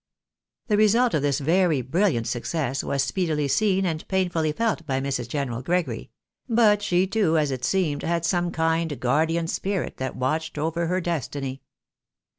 The result of this very brilliant success was speedily seen and painfully felt by Mrs. General Gregory : but she, too, as it seemed, had some kind, guardian spirit that watched over her destiny.